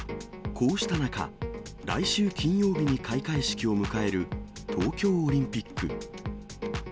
こうした中、来週金曜日に開会式を迎える東京オリンピック。